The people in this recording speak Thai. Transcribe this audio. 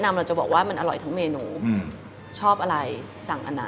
ทำไมเราไม่เอาหัวให้มันดำด้วยล่ะ